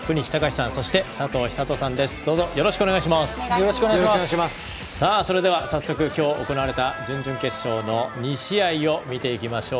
さあそれでは早速、今日行われた準々決勝の２試合を見ていきましょう。